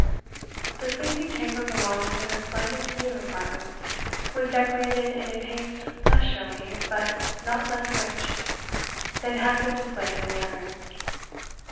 The sleeping chamber belonging to this splendid suite of apartments was decorated in a taste less showy, but not less rich, than had been displayed in the others.